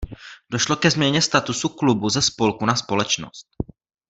Došlo ke změně statusu klubu ze spolku na společnost.